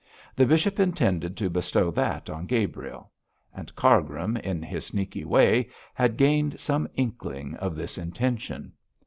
The bishop intended to bestow that on Gabriel; and Cargrim, in his sneaky way, had gained some inkling of this intention.